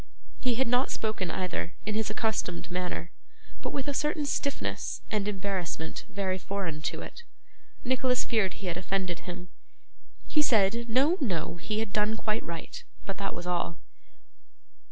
He had not spoken either, in his accustomed manner, but with a certain stiffness and embarrassment very foreign to it. Nicholas feared he had offended him. He said, 'No, no, he had done quite right,' but that was all.